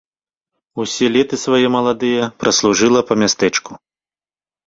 Усе леты свае маладыя праслужыла па мястэчку.